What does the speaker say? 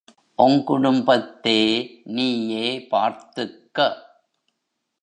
ஒங்குடும்பத்தே நீயே பார்த்துக்க.